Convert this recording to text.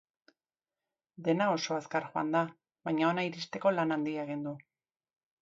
Dena oso azkar joan da, baina ona iristeko lan handia egin du.